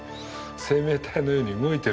生命体のように動いてる。